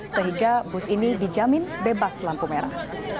sehingga bus ini dijamin bebas lampu merah